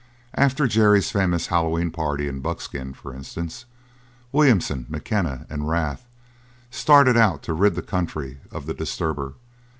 After Jerry's famous Hallowe'en party in Buckskin, for instance, Williamson, McKenna, and Rath started out to rid the country of the disturber.